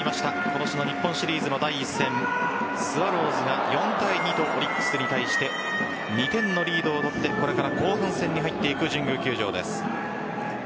今年の日本シリーズの第１戦スワローズが４対２とオリックスに対して２点のリードを持ってこれから後半戦に入っていく神宮球場です。